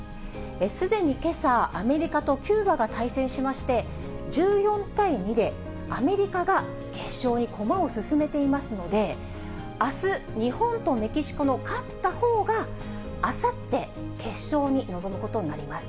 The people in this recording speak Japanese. すでにけさ、アメリカとキューバが対戦しまして、１４対２でアメリカが決勝に駒を進めていますので、あす、日本とメキシコの勝ったほうが、あさって、決勝に臨むことになります。